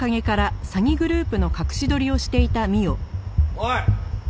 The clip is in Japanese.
おい！